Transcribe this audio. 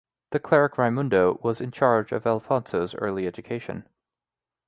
The cleric Raimundo was in charge of Alfonso's early education.